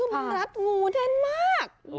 คือมันรักหูแทนมาก